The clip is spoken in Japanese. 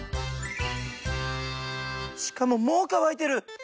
しかももう乾いてる！